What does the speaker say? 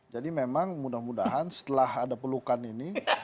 jadi memang mudah mudahan setelah ada pelukan ini